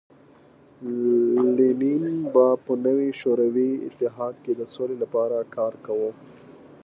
لینین به په نوي شوروي اتحاد کې د سولې لپاره کار کاوه